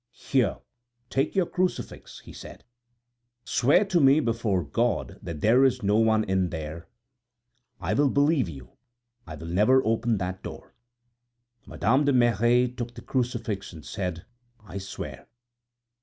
"Here, take your crucifix," he added. "Swear to me before God that there is no one in there; I will believe you, I will never open that door." Madame de Merret took the crucifix and said: "I swear."